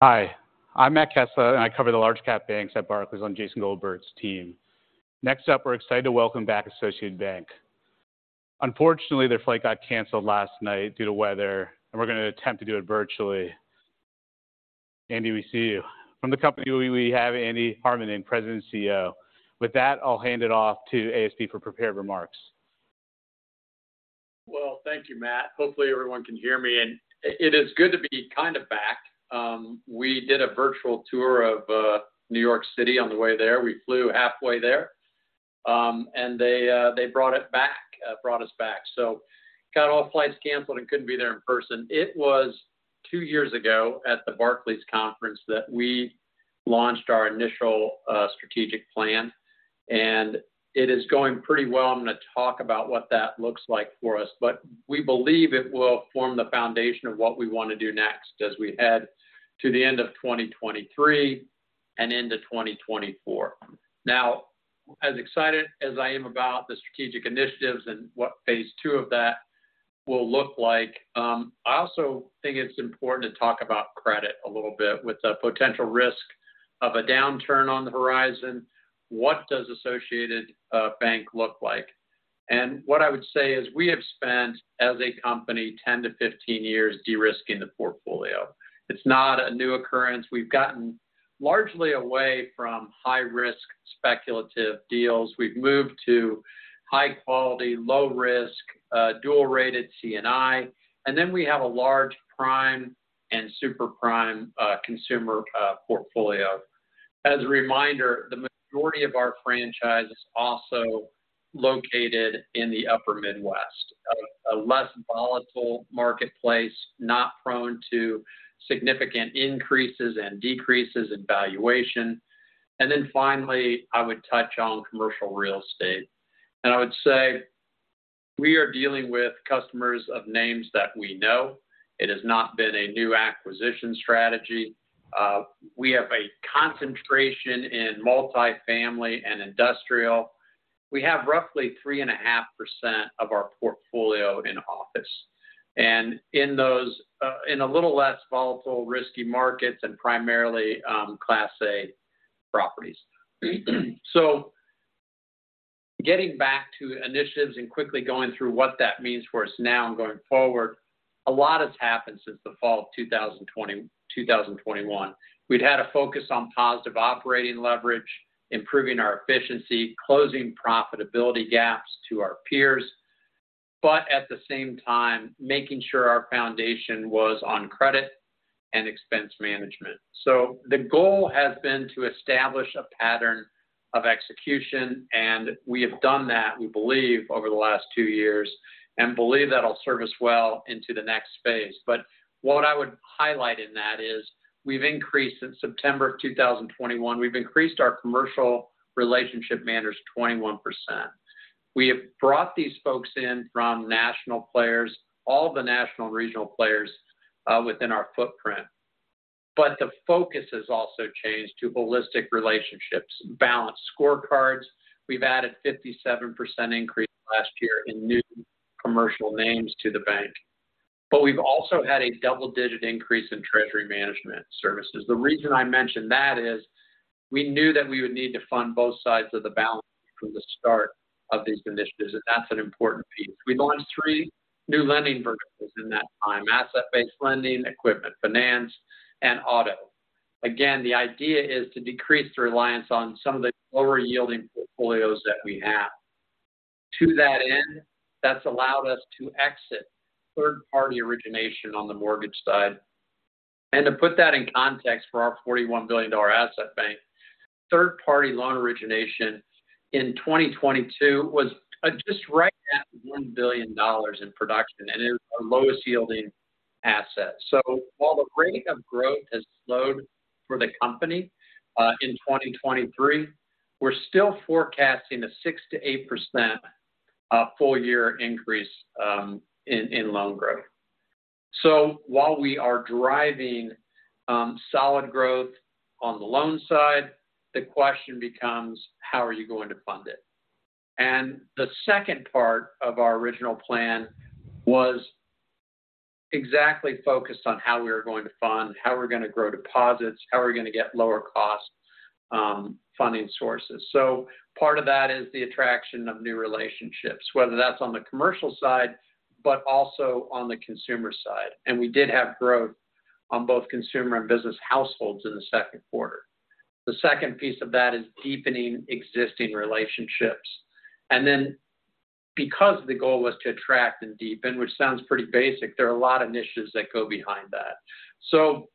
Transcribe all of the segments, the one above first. Hi, I'm Matt Kesselhaut, and I cover the large cap banks at Barclays on Jason Goldberg's team. Next up, we're excited to welcome back Associated Bank. Unfortunately, their flight got canceled last night due to weather, and we're going to attempt to do it virtually. Andy, we see you. From the company, we have Andy Harmening, President and CEO. With that, I'll hand it off to ASB for prepared remarks. Well, thank you, Matt. Hopefully, everyone can hear me, and it is good to be kind of back. We did a virtual tour of New York City on the way there. We flew halfway there, and they, they brought it back, brought us back. So got all flights canceled and couldn't be there in person. It was two years ago at the Barclays Conference that we launched our initial strategic plan, and it is going pretty well. I'm going to talk about what that looks like for us, but we believe it will form the foundation of what we want to do next as we head to the end of 2023 and into 2024. Now, as excited as I am about the strategic initiatives and what Phase 2 of that will look like, I also think it's important to talk about credit a little bit. With the potential risk of a downturn on the horizon, what does Associated Bank look like? And what I would say is we have spent, as a company, 10-15 years de-risking the portfolio. It's not a new occurrence. We've gotten largely away from high-risk, speculative deals. We've moved to high-quality, low-risk, dual-rated C&I, and then we have a large prime and super-prime, consumer, portfolio. As a reminder, the majority of our franchise is also located in the Upper Midwest, a less volatile marketplace, not prone to significant increases and decreases in valuation. And then finally, I would touch on Commercial Real Estate. I would say we are dealing with customers of names that we know. It has not been a new acquisition strategy. We have a concentration in multifamily and industrial. We have roughly 3.5% of our portfolio in office, and in those in a little less volatile, risky markets and primarily Class A properties. So getting back to initiatives and quickly going through what that means for us now and going forward, a lot has happened since the fall of 2021. We'd had a focus on positive operating leverage, improving our efficiency, closing profitability gaps to our peers, but at the same time, making sure our foundation was on credit and expense management. So the goal has been to establish a pattern of execution, and we have done that, we believe, over the last two years and believe that'll serve us well into the next phase. But what I would highlight in that is we've increased. In September of 2021, we've increased our commercial relationship managers 21%. We have brought these folks in from national players, all the national regional players, within our footprint. But the focus has also changed to holistic relationships, balanced scorecards. We've added 57% increase last year in new commercial names to the bank, but we've also had a double-digit increase in Treasury Management services. The reason I mention that is we knew that we would need to fund both sides of the balance from the start of these initiatives, and that's an important piece. We launched three new lending verticals in that time: Asset-Based Lending, Equipment Finance, and Auto. Again, the idea is to decrease the reliance on some of the lower-yielding portfolios that we have. To that end, that's allowed us to exit third-party origination on the mortgage side. To put that in context, for our $41 billion asset bank, third-party loan origination in 2022 was just right at $1 billion in production, and it was our lowest-yielding asset. So while the rate of growth has slowed for the company in 2023, we're still forecasting a 6%-8% full-year increase in loan growth. So while we are driving solid growth on the loan side, the question becomes: how are you going to fund it? The second part of our original plan was exactly focused on how we were going to fund, how we're going to grow deposits, how are we going to get lower cost, funding sources. So part of that is the attraction of new relationships, whether that's on the commercial side, but also on the consumer side. And we did have growth on both consumer and business households in the second quarter. The second piece of that is deepening existing relationships. And then, because the goal was to attract and deepen, which sounds pretty basic, there are a lot of initiatives that go behind that. So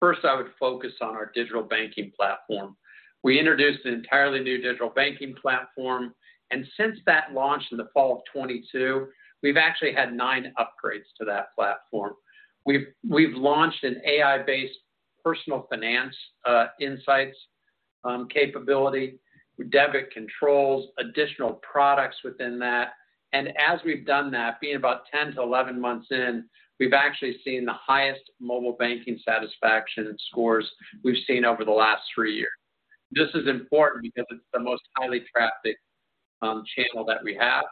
first, I would focus on our digital banking platform. We introduced an entirely new digital banking platform, and since that launch in the fall of 2022, we've actually had nine upgrades to that platform. We've launched an AI-based personal finance insights capability, debit controls, additional products within that. And as we've done that, being about 10-11 months in, we've actually seen the highest mobile banking satisfaction scores we've seen over the last three years. This is important because it's the most highly trafficked channel that we have,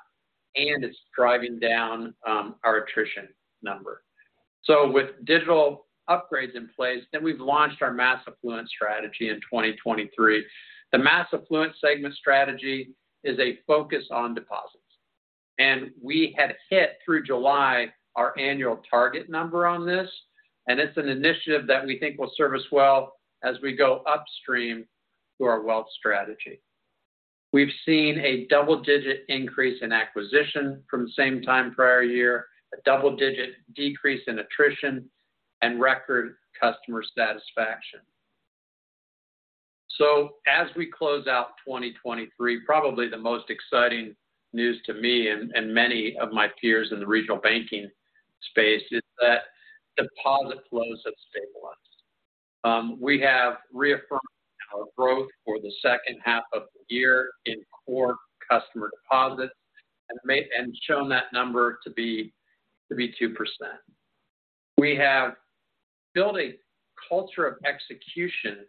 and it's driving down our attrition number. So with digital upgrades in place, then we've launched our Mass Affluent strategy in 2023. The Mass Affluent segment strategy is a focus on deposits, and we had hit through July, our annual target number on this, and it's an initiative that we think will serve us well as we go upstream to our Wealth strategy. We've seen a double-digit increase in acquisition from the same time prior year, a double-digit decrease in attrition, and record customer satisfaction. So as we close out 2023, probably the most exciting news to me and many of my peers in the regional banking space is that deposit flows have stabilized. We have reaffirmed our growth for the second half of the year in core customer deposits and made and shown that number to be 2%. We have built a culture of execution,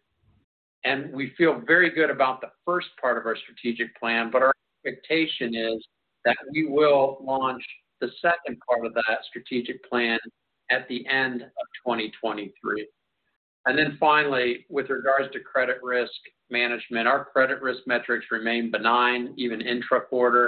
and we feel very good about the first part of our strategic plan, but our expectation is that we will launch the second part of that strategic plan at the end of 2023. Then finally, with regards to credit risk management, our credit risk metrics remain benign, even intraquarter,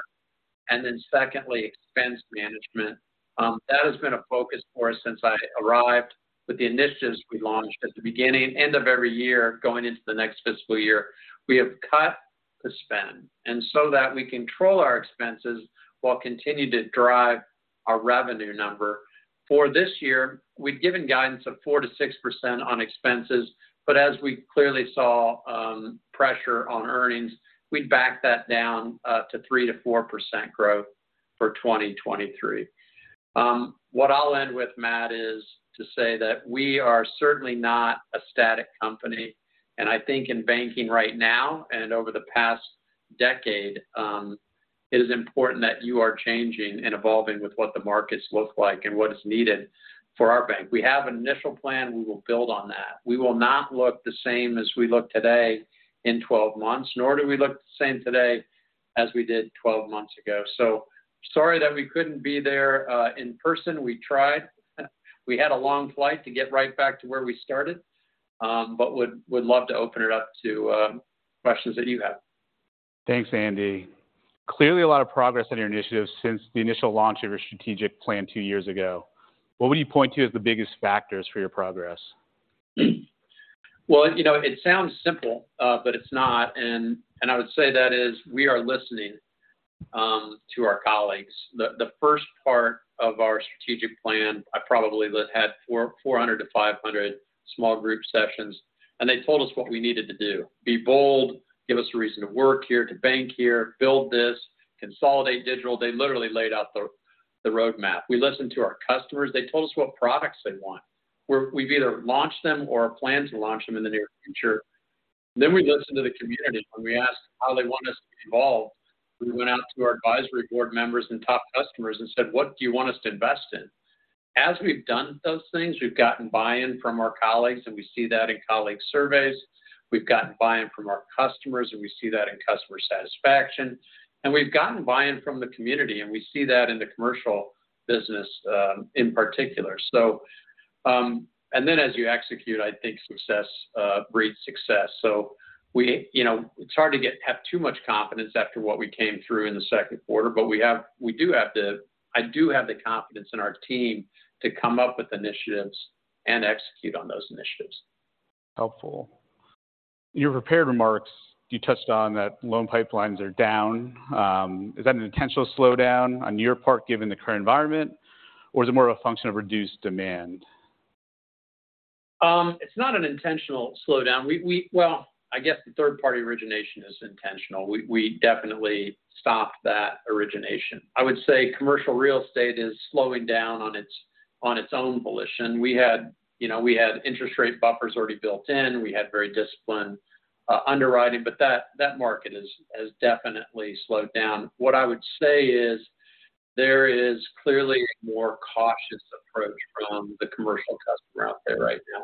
and then secondly, expense management. That has been a focus for us since I arrived. With the initiatives we launched at the beginning, end of every year, going into the next fiscal year, we have cut the spend, and so that we control our expenses while continuing to drive our revenue number. For this year, we've given guidance of 4%-6% on expenses, but as we clearly saw, pressure on earnings, we'd backed that down, to 3%-4% growth for 2023. What I'll end with, Matt, is to say that we are certainly not a static company, and I think in banking right now, and over the past decade, it is important that you are changing and evolving with what the markets look like and what is needed for our bank. We have an initial plan. We will build on that. We will not look the same as we look today in 12 months, nor do we look the same today as we did 12 months ago. So sorry that we couldn't be there in person. We tried. We had a long flight to get right back to where we started, but would love to open it up to questions that you have. Thanks, Andy. Clearly, a lot of progress on your initiatives since the initial launch of your strategic plan two years ago. What would you point to as the biggest factors for your progress? Well, you know, it sounds simple, but it's not. And I would say that is we are listening to our colleagues. The first part of our strategic plan, I probably had 400-500 small group sessions, and they told us what we needed to do: be bold, give us a reason to work here, to bank here, build this, consolidate digital. They literally laid out the roadmap. We listened to our customers. They told us what products they want. We've either launched them or plan to launch them in the near future. Then we listened to the community when we asked how they want us to evolve. We went out to our advisory board members and top customers and said, "What do you want us to invest in?" As we've done those things, we've gotten buy-in from our colleagues, and we see that in colleague surveys. We've gotten buy-in from our customers, and we see that in customer satisfaction. We've gotten buy-in from the community, and we see that in the commercial business, in particular. So, and then as you execute, I think success breeds success. So we, you know, it's hard to have too much confidence after what we came through in the second quarter, but we do have the confidence in our team to come up with initiatives and execute on those initiatives. Helpful. In your prepared remarks, you touched on that loan pipelines are down. Is that an intentional slowdown on your part, given the current environment, or is it more of a function of reduced demand? It's not an intentional slowdown. We-- well, I guess the third-party origination is intentional. We definitely stopped that origination. I would say Commercial Real Estate is slowing down on its own volition. We had, you know, we had interest rate buffers already built in. We had very disciplined underwriting, but that market has definitely slowed down. What I would say is there is clearly a more cautious approach from the commercial customer out there right now.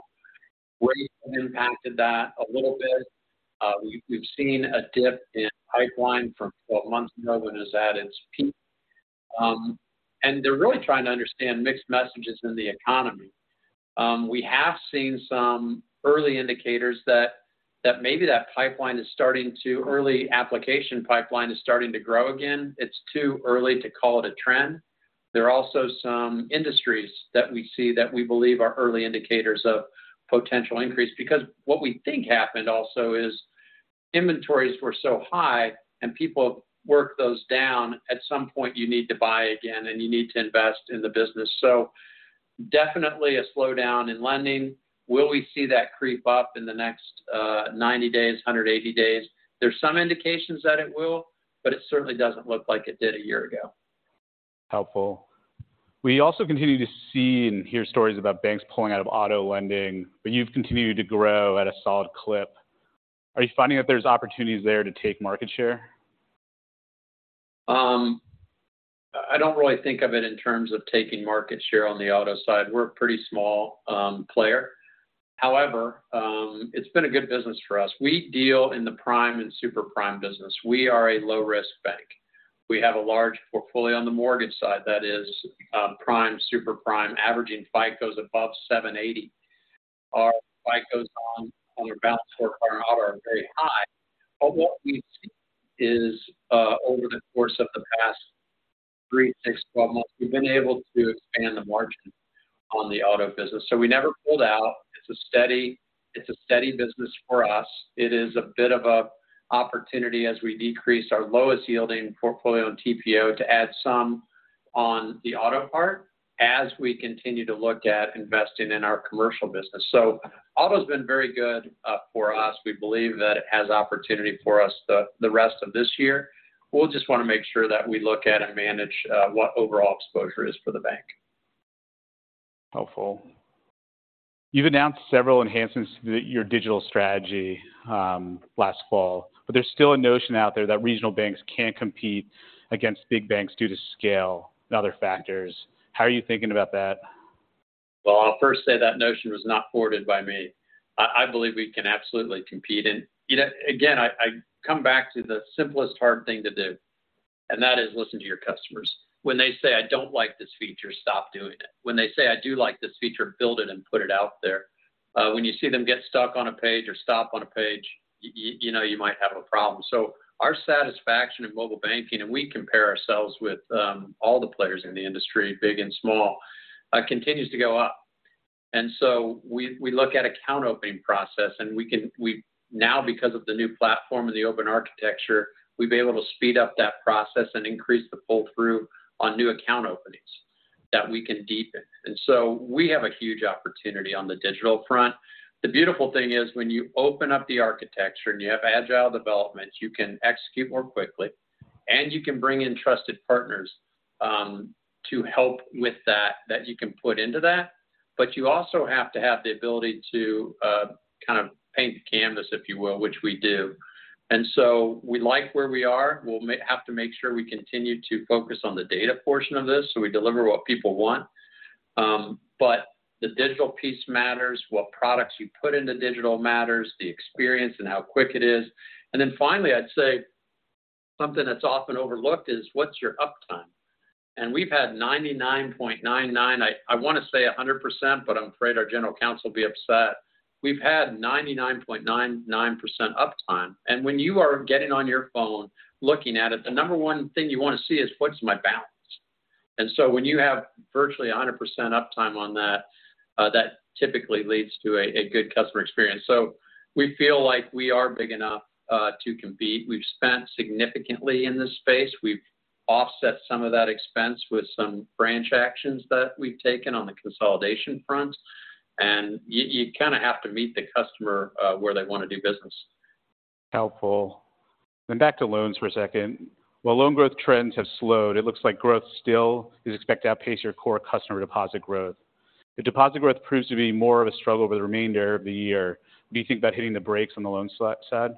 Rates have impacted that a little bit. We've seen a dip in pipeline from what months ago when it was at its peak. And they're really trying to understand mixed messages in the economy. We have seen some early indicators that maybe that pipeline is starting to early application pipeline is starting to grow again. It's too early to call it a trend. There are also some industries that we see that we believe are early indicators of potential increase. Because what we think happened also is inventories were so high and people worked those down. At some point, you need to buy again, and you need to invest in the business. So definitely a slowdown in lending. Will we see that creep up in the next, 90 days, 180 days? There's some indications that it will, but it certainly doesn't look like it did a year ago. Helpful. We also continue to see and hear stories about banks pulling out of Auto lending, but you've continued to grow at a solid clip. Are you finding that there's opportunities there to take market share? I don't really think of it in terms of taking market share on the Auto side. We're a pretty small player. However, it's been a good business for us. We deal in the prime and super-prime business. We are a low-risk bank. We have a large portfolio on the mortgage side that is prime, super- prime, averaging FICOs above 780. Our FICOs on our balance for our Auto are very high. But what we see is over the course of the past three, six, 12 months, we've been able to expand the margin on the Auto business, so we never pulled out. It's a steady, it's a steady business for us. It is a bit of a opportunity as we decrease our lowest-yielding portfolio on TPO to add some on the Auto part as we continue to look at investing in our commercial business. So Auto's been very good, for us. We believe that it has opportunity for us the rest of this year. We'll just wanna make sure that we look at and manage, what overall exposure is for the bank. Helpful. You've announced several enhancements to your digital strategy last fall, but there's still a notion out there that regional banks can't compete against big banks due to scale and other factors. How are you thinking about that? Well, I'll first say that notion was not forwarded by me. I believe we can absolutely compete. And, you know, again, I come back to the simplest hard thing to do, and that is listen to your customers. When they say, "I don't like this feature," stop doing it. When they say, "I do like this feature," build it and put it out there. When you see them get stuck on a page or stop on a page, you know you might have a problem. So our satisfaction in mobile banking, and we compare ourselves with all the players in the industry, big and small, continues to go up. We look at account opening process, and we can now, because of the new platform and the open architecture, we've been able to speed up that process and increase the pull-through on new account openings that we can deepen. We have a huge opportunity on the digital front. The beautiful thing is, when you open up the architecture and you have agile development, you can execute more quickly, and you can bring in trusted partners to help with that that you can put into that. You also have to have the ability to kind of paint the canvas, if you will, which we do. We like where we are. We'll have to make sure we continue to focus on the data portion of this, so we deliver what people want. The digital piece matters. What products you put into digital matters, the experience and how quick it is. And then finally, I'd say something that's often overlooked is: what's your uptime? And we've had 99.99%-- I wanna say 100%, but I'm afraid our general counsel will be upset. We've had 99.99% uptime. And when you are getting on your phone looking at it, the number one thing you wanna see is: what's my balance? And so when you have virtually 100% uptime on that, that typically leads to a good customer experience. So we feel like we are big enough to compete. We've spent significantly in this space. We've offset some of that expense with some branch actions that we've taken on the consolidation front. And you kinda have to meet the customer where they wanna do business. Helpful. Then back to loans for a second. While loan growth trends have slowed, it looks like growth still is expected to outpace your core customer deposit growth. If deposit growth proves to be more of a struggle for the remainder of the year, do you think about hitting the brakes on the loan side?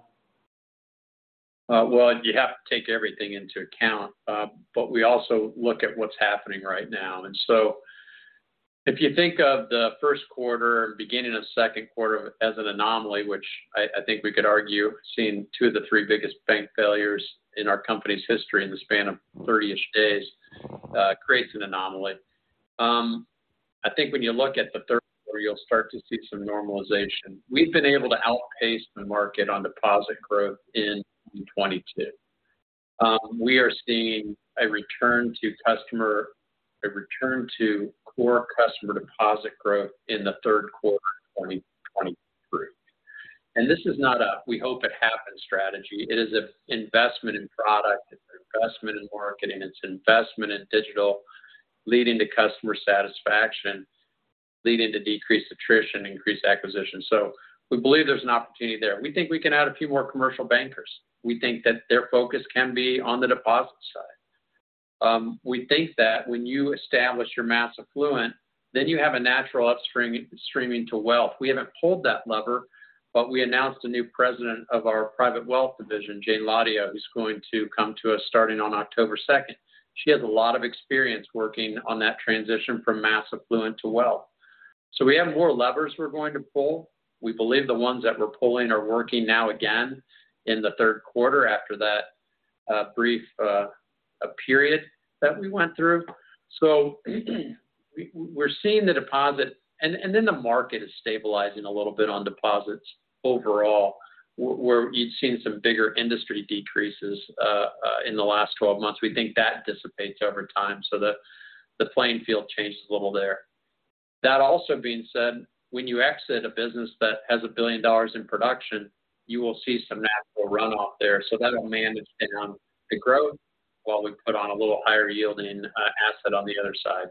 Well, you have to take everything into account, but we also look at what's happening right now. And so if you think of the first quarter and beginning of second quarter as an anomaly, which I think we could argue, seeing two of the three biggest bank failures in our company's history in the span of 30-ish days, creates an anomaly. I think when you look at the third quarter, you'll start to see some normalization. We've been able to outpace the market on deposit growth in 2022. We are seeing a return to customer—a return to core customer deposit growth in the third quarter of 2023. And this is not a we-hope-it-happens strategy. It is an investment in product. It's an investment in marketing. It's investment in digital, leading to customer satisfaction, leading to decreased attrition, increased acquisition. So we believe there's an opportunity there. We think we can add a few more commercial bankers. We think that their focus can be on the deposit side. We think that when you establish your Mass Affluent, then you have a natural upstreaming to Wealth. We haven't pulled that lever, but we announced a new President of our Private Wealth division, Jayne Hladio, who's going to come to us starting on October 2nd. She has a lot of experience working on that transition from Mass Affluent to Wealth. So we have more levers we're going to pull. We believe the ones that we're pulling are working now again in the third quarter, after that brief period that we went through. So we're seeing the deposit. And then the market is stabilizing a little bit on deposits overall, where you've seen some bigger industry decreases in the last 12 months. We think that dissipates over time, so the playing field changes a little there. That also being said, when you exit a business that has $1 billion in production, you will see some natural runoff there. So that'll manage down the growth while we put on a little higher-yielding asset on the other side.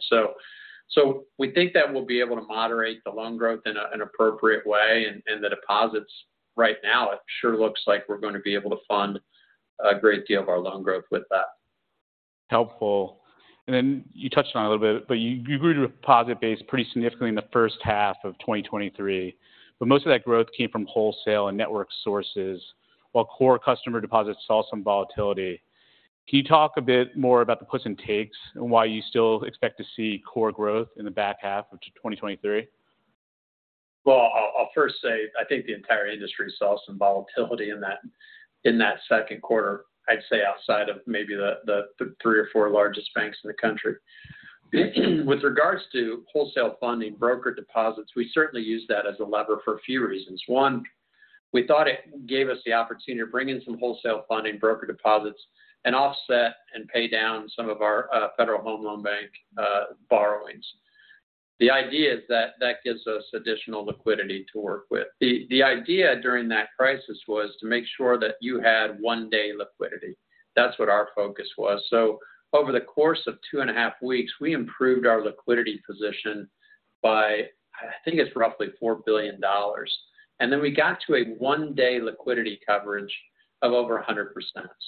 So we think that we'll be able to moderate the loan growth in an appropriate way. And the deposits right now, it sure looks like we're going to be able to fund a great deal of our loan growth with that. Helpful. Then you touched on it a little bit, but you grew your deposit base pretty significantly in the first half of 2023. But most of that growth came from wholesale and network sources... while core customer deposits saw some volatility. Can you talk a bit more about the puts and takes, and why you still expect to see core growth in the back half of 2023? Well, I'll first say I think the entire industry saw some volatility in that second quarter. I'd say outside of maybe the three or four largest banks in the country. With regards to wholesale funding broker deposits, we certainly use that as a lever for a few reasons. One, we thought it gave us the opportunity to bring in some wholesale funding broker deposits and offset and pay down some of our Federal Home Loan Bank borrowings. The idea is that that gives us additional liquidity to work with. The idea during that crisis was to make sure that you had one-day liquidity. That's what our focus was. So over the course of two and a half weeks, we improved our liquidity position by, I think it's roughly $4 billion. And then we got to a one-day liquidity coverage of over 100%.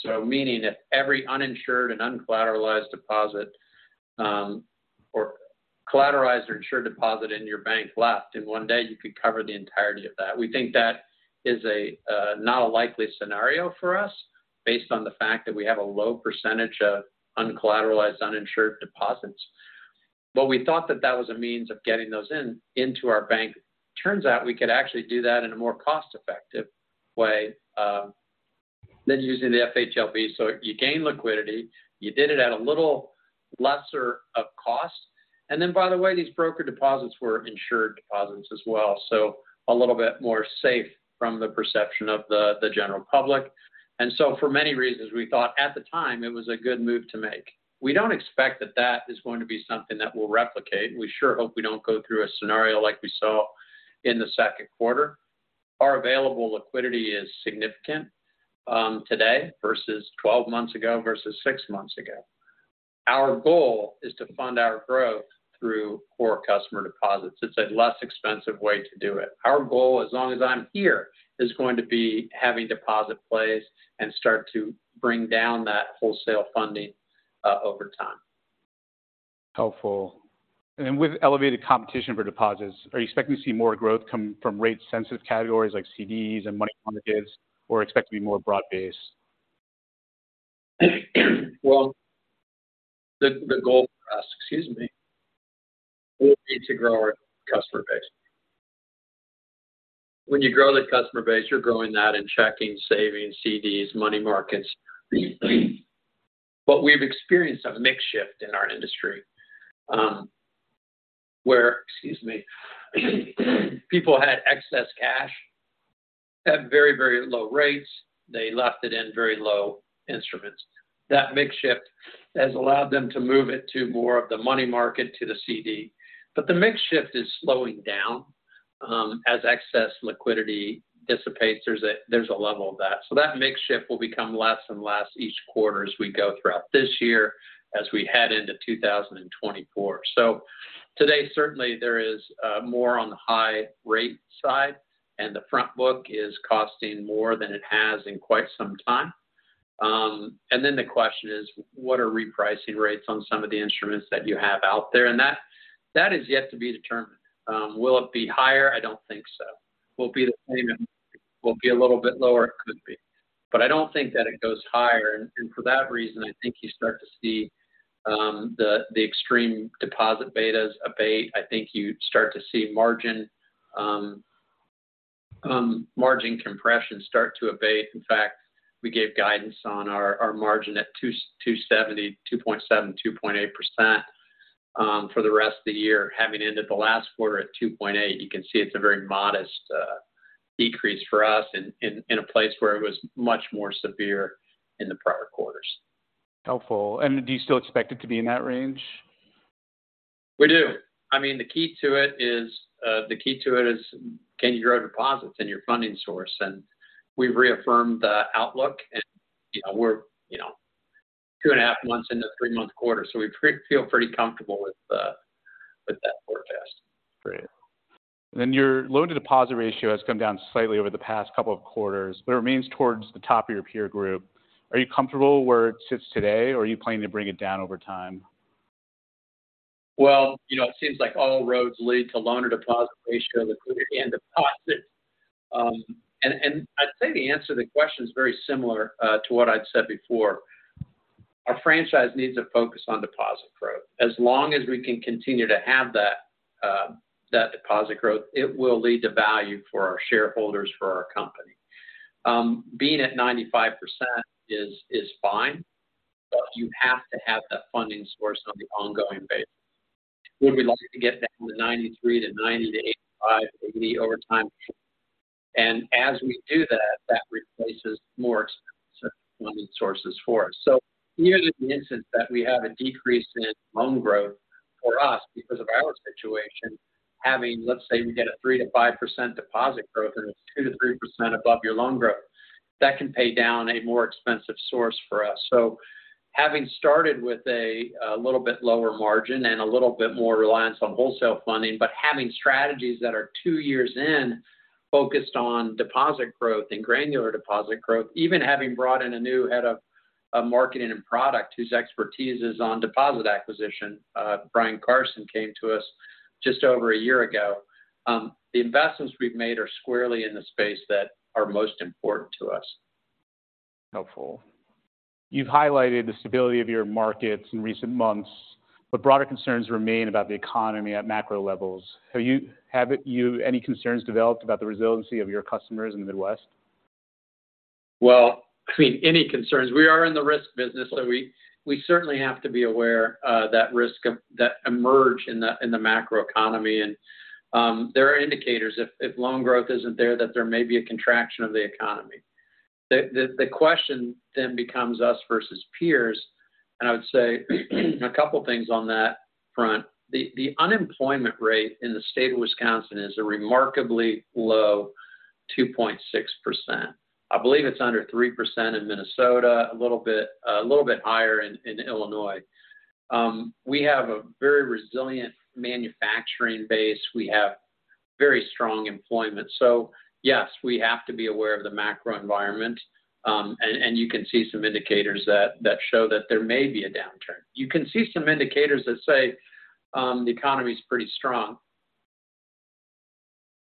So meaning, if every uninsured and uncollateralized deposit, or collateralized or insured deposit in your bank left, in one day, you could cover the entirety of that. We think that is a not a likely scenario for us based on the fact that we have a low percentage of uncollateralized, uninsured deposits, but we thought that that was a means of getting those in, into our bank. Turns out we could actually do that in a more cost-effective way, than using the FHLB. So you gain liquidity, you did it at a little lesser of cost. And then, by the way, these broker deposits were insured deposits as well, so a little bit more safe from the perception of the, the general public. And so for many reasons, we thought at the time it was a good move to make. We don't expect that that is going to be something that we'll replicate. We sure hope we don't go through a scenario like we saw in the second quarter. Our available liquidity is significant today versus 12 months ago, versus s months ago. Our goal is to fund our growth through core customer deposits. It's a less expensive way to do it. Our goal, as long as I'm here, is going to be having deposit plays and start to bring down that wholesale funding over time. Helpful. And with elevated competition for deposits, are you expecting to see more growth come from rate-sensitive categories like CDs and money markets, or expect to be more broad-based? Well, the goal for us, excuse me, we need to grow our customer base. When you grow the customer base, you're growing that in checking, savings, CDs, money markets. But we've experienced a mix shift in our industry, where, excuse me, people had excess cash at very, very low rates. They left it in very low instruments. That mix shift has allowed them to move it to more of the money market to the CD. But the mix shift is slowing down, as excess liquidity dissipates, there's a level of that. So that mix shift will become less and less each quarter as we go throughout this year, as we head into 2024. So today, certainly, there is more on the high-rate side, and the front book is costing more than it has in quite some time. Then the question is, what are repricing rates on some of the instruments that you have out there? That is yet to be determined. Will it be higher? I don't think so. Will it be the same? Will it be a little bit lower? It could be, but I don't think that it goes higher. For that reason, I think you start to see the extreme deposit betas abate. I think you start to see margin compression start to abate. In fact, we gave guidance on our margin at 2.7%-2.8% for the rest of the year, having ended the last quarter at 2.8%. You can see it's a very modest decrease for us in a place where it was much more severe in the prior quarters. Helpful. Do you still expect it to be in that range? We do. I mean, the key to it is, the key to it is, can you grow deposits in your funding source? And we've reaffirmed the outlook, and, you know, we're, you know, two and a half months into the three-month quarter, so we feel pretty comfortable with the, with that forecast. Great. Then your loan-to-deposit ratio has come down slightly over the past couple of quarters, but it remains towards the top of your peer group. Are you comfortable where it sits today, or are you planning to bring it down over time? Well, you know, it seems like all roads lead to loan-to-deposit ratio and liquidity and deposits. And I'd say the answer to the question is very similar to what I'd said before. Our franchise needs to focus on deposit growth. As long as we can continue to have that deposit growth, it will lead to value for our shareholders, for our company. Being at 95% is fine, but you have to have that funding source on the ongoing basis. Would we like to get that to 93%-90%, to 85%-80% over time? And as we do that, that replaces more expensive funding sources for us. So even in the instance that we have a decrease in loan growth for us because of our situation, having, let's say, we get a 3%-5% deposit growth, and it's 2%-3% above your loan growth, that can pay down a more expensive source for us. So having started with a little bit lower margin and a little bit more reliance on wholesale funding, but having strategies that are two years in, focused on deposit growth and granular deposit growth, even having brought in a new head of marketing and product whose expertise is on deposit acquisition. Bryan Carson came to us just over a year ago. The investments we've made are squarely in the space that are most important to us. Helpful. You've highlighted the stability of your markets in recent months, but broader concerns remain about the economy at macro levels. Have you any concerns developed about the resiliency of your customers in the Midwest? Well, I mean, any concerns, we are in the risk business, so we certainly have to be aware of that risk that emerge in the macroeconomy. There are indicators, if loan growth isn't there, that there may be a contraction of the economy. The question then becomes us versus peers. I would say, a couple of things on that front. The unemployment rate in the state of Wisconsin is a remarkably low 2.6%. I believe it's under 3% in Minnesota, a little bit higher in Illinois. We have a very resilient manufacturing base. We have very strong employment. So yes, we have to be aware of the macro environment, and you can see some indicators that show that there may be a downturn. You can see some indicators that say the economy is pretty strong.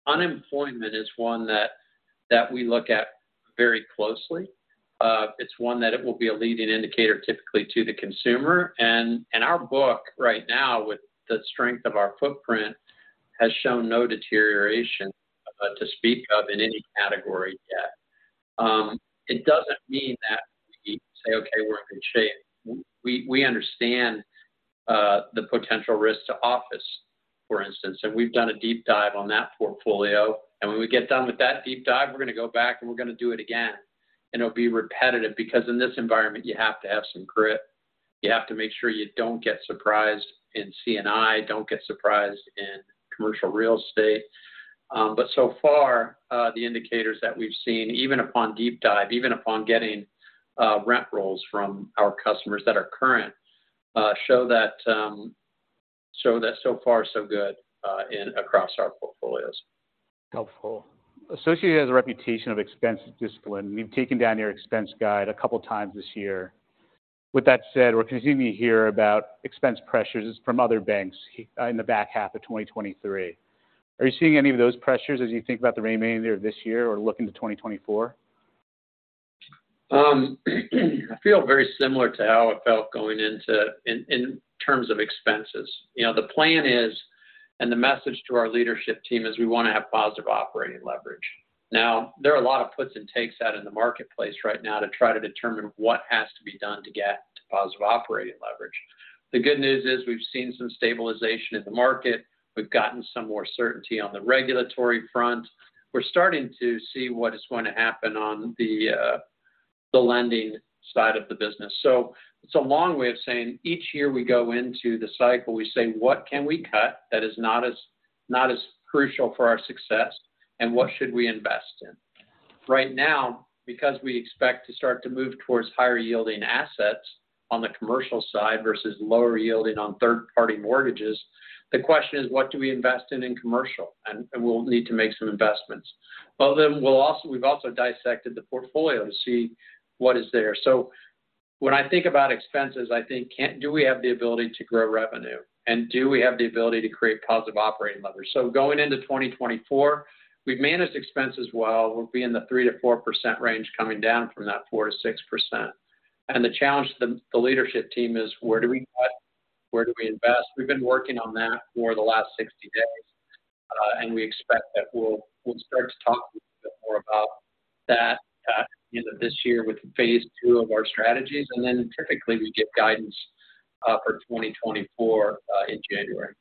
Unemployment is one that we look at very closely. It's one that it will be a leading indicator typically to the consumer. And our book right now, with the strength of our footprint, has shown no deterioration to speak of in any category yet. It doesn't mean that we say, "Okay, we're in good shape." We understand the potential risk to office, for instance, and we've done a deep dive on that portfolio. And when we get done with that deep dive, we're going to go back and we're going to do it again. And it'll be repetitive because in this environment, you have to have some grit. You have to make sure you don't get surprised in C&I, don't get surprised in Commercial Real Estate. But so far, the indicators that we've seen, even upon deep dive, even upon getting rent rolls from our customers that are current, show that, show that so far so good in across our portfolios. Helpful. Associated has a reputation of expense discipline. You've taken down your expense guide a couple of times this year. With that said, we're continuing to hear about expense pressures from other banks in the back half of 2023. Are you seeing any of those pressures as you think about the remainder of this year or look into 2024? I feel very similar to how I felt in terms of expenses. You know, the plan is, and the message to our leadership team is, we want to have positive operating leverage. Now, there are a lot of puts and takes out in the marketplace right now to try to determine what has to be done to get to positive operating leverage. The good news is we've seen some stabilization in the market. We've gotten some more certainty on the regulatory front. We're starting to see what is going to happen on the lending side of the business. So it's a long way of saying each year we go into the cycle, we say: what can we cut that is not as, not as crucial for our success, and what should we invest in? Right now, because we expect to start to move towards higher-yielding assets on the commercial side versus lower yielding on third-party mortgages, the question is, what do we invest in in commercial? And, and we'll need to make some investments. Well, then we'll also—we've also dissected the portfolio to see what is there. So when I think about expenses, I think, can—do we have the ability to grow revenue? And do we have the ability to create positive operating leverage? So going into 2024, we've managed expenses well. We'll be in the 3%-4% range coming down from that 4%-6%. And the challenge to the, the leadership team is where do we cut? Where do we invest? We've been working on that for the last 60 days, and we expect that we'll start to talk a bit more about that, end of this year with Phase 2 of our strategies. Then typically, we give guidance for 2024 in January.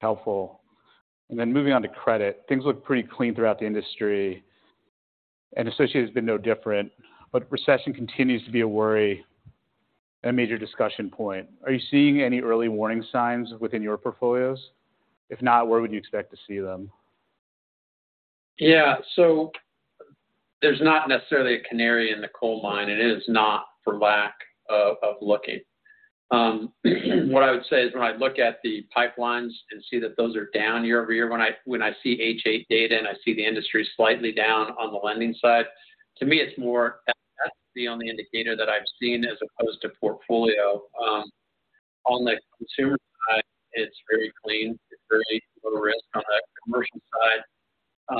Helpful. Then moving on to credit. Things look pretty clean throughout the industry, and Associated has been no different, but recession continues to be a worry and a major discussion point. Are you seeing any early warning signs within your portfolios? If not, where would you expect to see them? Yeah. So there's not necessarily a canary in the coal mine, and it is not for lack of looking. What I would say is when I look at the pipelines and see that those are down year-over-year, when I see H.8 data and I see the industry slightly down on the lending side, to me, it's more, that's the only indicator that I've seen as opposed to portfolio. On the consumer side, it's very clean. It's very little risk on the commercial side.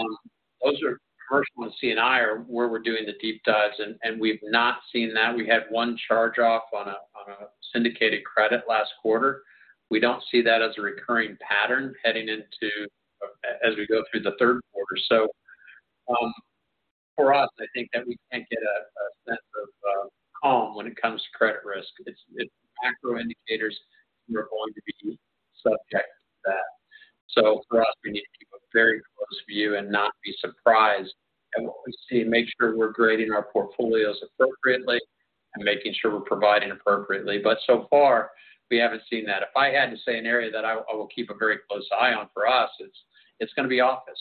Those are commercial and C&I, where we're doing the deep dives, and we've not seen that. We had one charge-off on a syndicated credit last quarter. We don't see that as a recurring pattern heading into, as we go through the third quarter. So, for us, I think that we can get a sense of calm when it comes to credit risk. It's macro indicators we're going to be subject to that. So for us, we need to keep a very close view and not be surprised at what we see, make sure we're grading our portfolios appropriately and making sure we're providing appropriately. But so far, we haven't seen that. If I had to say an area that I will keep a very close eye on for us, it's going to be office,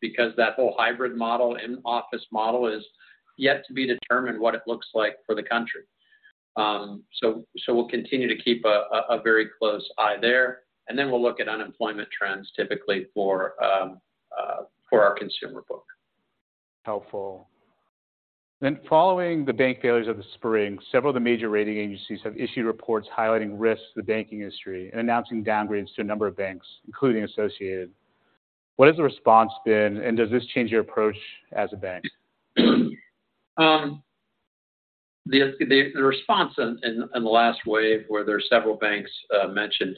because that whole hybrid model and office model is yet to be determined what it looks like for the country. So we'll continue to keep a very close eye there, and then we'll look at unemployment trends, typically for our consumer book. Helpful. Then following the bank failures of the spring, several of the major rating agencies have issued reports highlighting risks to the banking industry and announcing downgrades to a number of banks, including Associated. What has the response been, and does this change your approach as a bank? The response in the last wave, where there are several banks mentioned,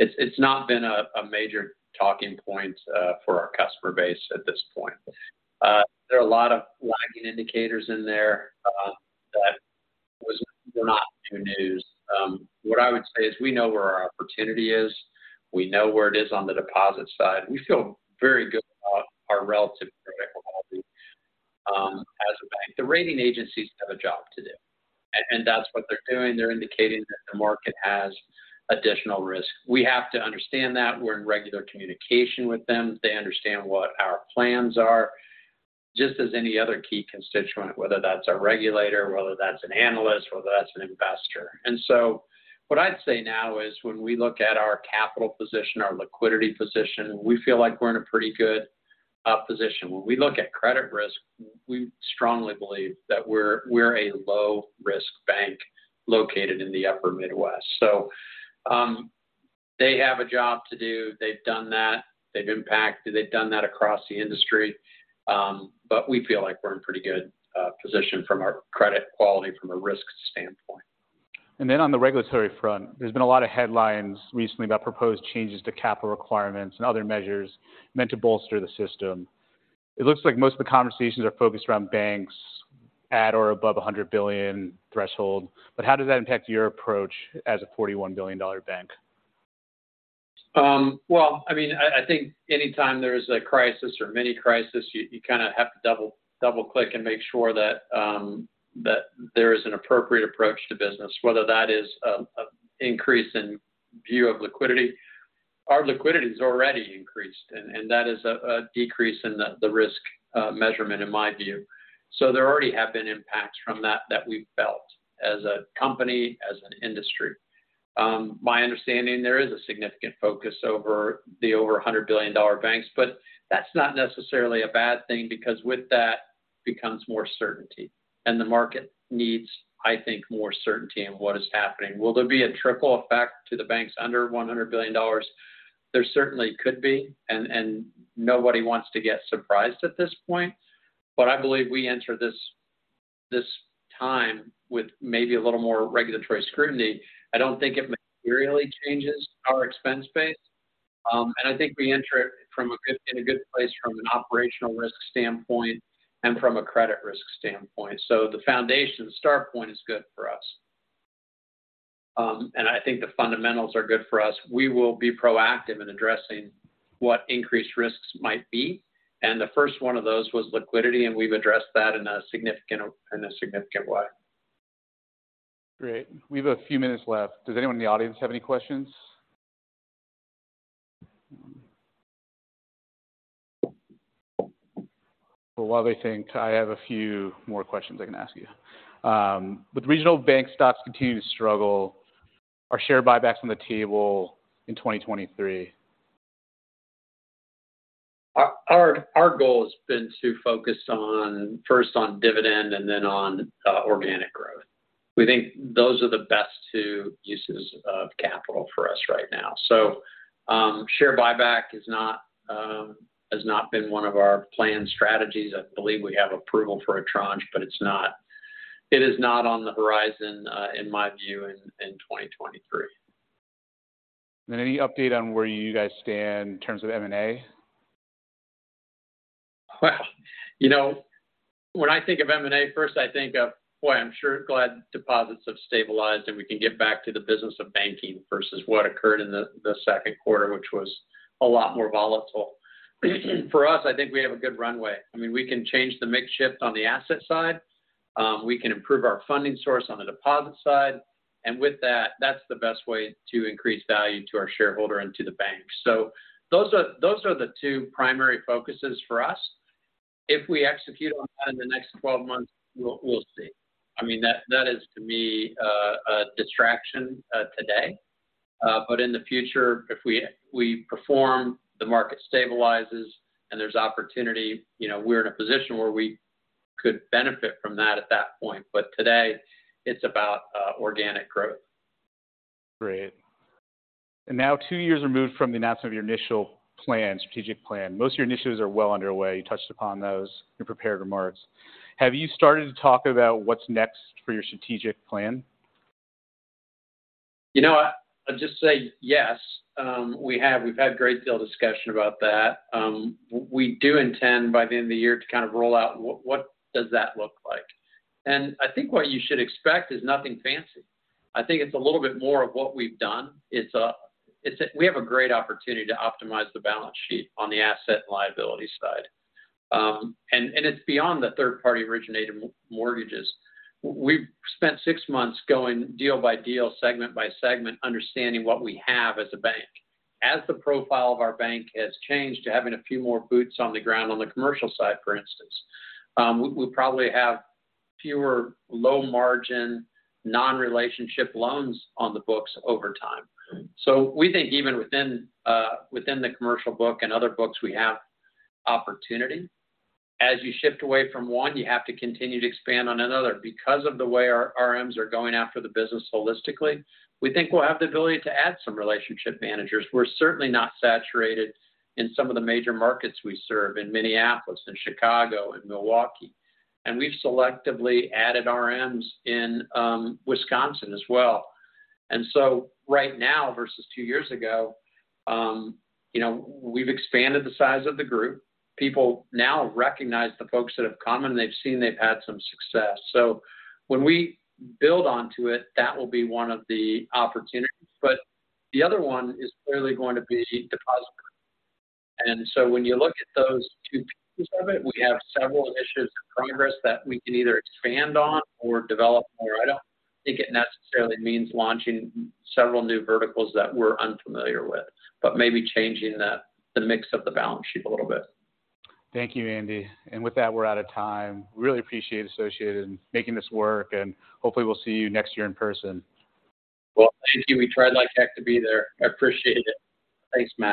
it's not been a major talking point for our customer base at this point. There are a lot of lagging indicators in there that were not new news. What I would say is we know where our opportunity is. We know where it is on the deposit side. We feel very good about our relative credit quality as a bank. The rating agencies have a job to do, and that's what they're doing. They're indicating that the market has additional risk. We have to understand that. We're in regular communication with them. They understand what our plans are, just as any other key constituent, whether that's a regulator, whether that's an analyst, whether that's an investor. And so what I'd say now is when we look at our capital position, our liquidity position, we feel like we're in a pretty good position. When we look at credit risk, we strongly believe that we're a low-risk bank located in the Upper Midwest. So, they have a job to do. They've done that. They've impacted. They've done that across the industry. But we feel like we're in pretty good position from a credit quality, from a risk standpoint. Then on the regulatory front, there's been a lot of headlines recently about proposed changes to capital requirements and other measures meant to bolster the system. It looks like most of the conversations are focused around banks at or above $100 billion threshold, but how does that impact your approach as a $41 billion bank? Well, I mean, I think anytime there's a crisis or mini crisis, you kinda have to double-click and make sure that there is an appropriate approach to business, whether that is an increase in view of liquidity. Our liquidity has already increased, and that is a decrease in the risk measurement in my view. So there already have been impacts from that that we've felt as a company, as an industry. My understanding, there is a significant focus on the over $100 billion banks, but that's not necessarily a bad thing because with that becomes more certainty. And the market needs, I think, more certainty in what is happening. Will there be a trickle effect to the banks under $100 billion? There certainly could be, and nobody wants to get surprised at this point. But I believe we enter this time with maybe a little more regulatory scrutiny. I don't think it materially changes our expense base, and I think we enter it from a good place from an operational risk standpoint and from a credit risk standpoint. So the foundation, the start point is good for us. And I think the fundamentals are good for us. We will be proactive in addressing what increased risks might be, and the first one of those was liquidity, and we've addressed that in a significant way. Great. We have a few minutes left. Does anyone in the audience have any questions? Well, while they think, I have a few more questions I can ask you. With regional bank stocks continuing to struggle, are share buybacks on the table in 2023? Our goal has been to focus on, first on dividend and then on organic growth. We think those are the best two uses of capital for us right now. So, share buyback is not, has not been one of our planned strategies. I believe we have approval for a tranche, but it's not, it is not on the horizon, in my view, in 2023. Any update on where you guys stand in terms of M&A? Well, you know, when I think of M&A, first I think of, boy, I'm sure glad deposits have stabilized, and we can get back to the business of banking versus what occurred in the second quarter, which was a lot more volatile. For us, I think we have a good runway. I mean, we can change the mix shift on the asset side. We can improve our funding source on the deposit side. And with that, that's the best way to increase value to our shareholder and to the bank. So those are the two primary focuses for us. If we execute on time in the next 12 months, we'll see. I mean, that is, to me, a distraction today. But in the future, if we perform, the market stabilizes and there's opportunity, you know, we're in a position where we could benefit from that at that point. But today, it's about organic growth. Great. Now, two years removed from the announcement of your initial plan, strategic plan, most of your initiatives are well underway. You touched upon those in prepared remarks. Have you started to talk about what's next for your strategic plan? You know, I'd just say, yes, we have. We've had a great deal of discussion about that. We do intend, by the end of the year, to kind of roll out what that looks like. And I think what you should expect is nothing fancy. I think it's a little bit more of what we've done. It's we have a great opportunity to optimize the balance sheet on the asset and liability side. And it's beyond the third-party originated mortgages. We've spent six months going deal by deal, segment by segment, understanding what we have as a bank. As the profile of our bank has changed to having a few more boots on the ground on the commercial side, for instance, we probably have fewer low-margin, non-relationship loans on the books over time. So we think even within the commercial book and other books, we have opportunity. As you shift away from one, you have to continue to expand on another. Because of the way our RMs are going after the business holistically, we think we'll have the ability to add some relationship managers. We're certainly not saturated in some of the major markets we serve in Minneapolis and Chicago and Milwaukee. And we've selectively added RMs in Wisconsin as well. And so right now versus two years ago, you know, we've expanded the size of the group. People now recognize the folks that have come, and they've seen they've had some success. So when we build onto it, that will be one of the opportunities. But the other one is clearly going to be deposit. And so when you look at those two pieces of it, we have several initiatives in progress that we can either expand on or develop more. I don't think it necessarily means launching several new verticals that we're unfamiliar with, but maybe changing the mix of the balance sheet a little bit. Thank you, Andy. With that, we're out of time. Really appreciate Associated in making this work, and hopefully, we'll see you next year in person. Well, thank you. We tried like heck to be there. I appreciate it. Thanks, Matt.